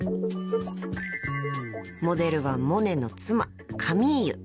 ［モデルはモネの妻カミーユ］